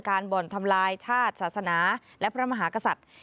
บ่อนทำลายชาติศาสนาและพระมหากษัตริย์